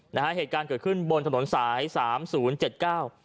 นะฮะเหตุการณ์เกิดขึ้นบนถนนสายสามศูนย์เจ็ดเก้า